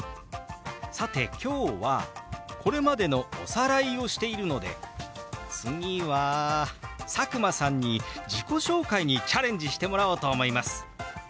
さて今日はこれまでのおさらいをしているので次は佐久間さんに自己紹介にチャレンジしてもらおうと思います。